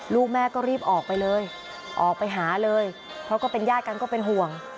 ลูกแม่ก็รีบออกไปเลยออกไปหาเลยเพราะก็เป็นญาติกันก็เป็นห่วง